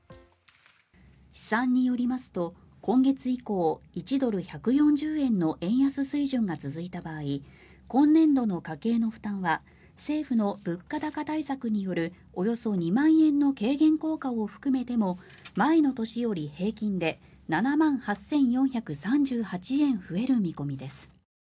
試算によりますと今月以降１ドル＝１４０円の円安水準が続いた場合今年度の家計の負担は政府の物価高対策によるおよそ２万円の軽減効果を含めても前の年より平均で７万８４３８円増える見込みです。